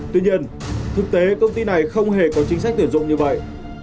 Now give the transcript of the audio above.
tuy nhiên thực tế công ty này không hề có chính sách tuyển dụng như vậy